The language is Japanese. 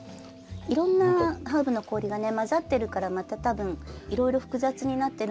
いろんなハーブの氷がねまざってるからまた多分いろいろ複雑になってるんだと思うんですけど。